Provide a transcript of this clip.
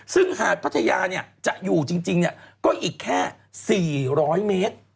ซึ่งหาดพัทยาจะอยู่จริงก็อีกแค่๔๐๐เมตร